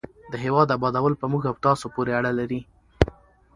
د هېواد ابادول په موږ او تاسو پورې اړه لري.